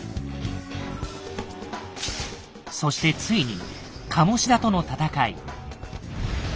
そしてついに鴨志田との戦い。